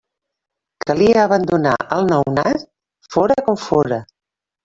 Calia abandonar el nounat, fóra com fóra.